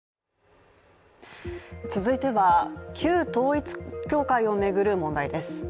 続いては旧統一教会を巡る問題です。